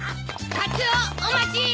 カツオお待ちー！